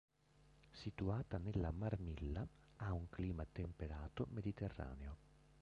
Situata nella Marmilla, ha un clima temperato mediterraneo.